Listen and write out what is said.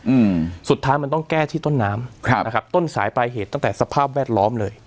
อืมสุดท้ายมันต้องแก้ที่ต้นน้ำครับนะครับต้นสายปลายเหตุตั้งแต่สภาพแวดล้อมเลย